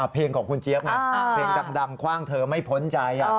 เพลงของคุณเจี๊ยบไงเพลงดังคว่างเธอไม่พ้นใจ